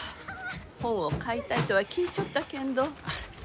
本を買いたいとは聞いちょったけんど。